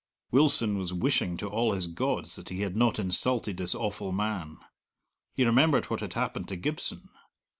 Wilson was wishing to all his gods that he had not insulted this awful man. He remembered what had happened to Gibson.